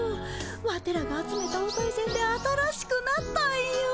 ワテらが集めたおさいせんで新しくなったんよ。